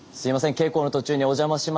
稽古の途中にお邪魔します。